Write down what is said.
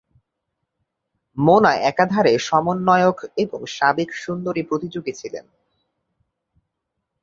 মোনা একাধারে সমন্বয়ক এবং সাবেক সুন্দরী প্রতিযোগী ছিলেন।